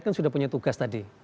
kan sudah punya tugas tadi